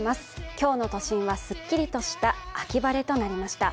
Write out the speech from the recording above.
今日の都心はすっきりとした秋晴れとなりました。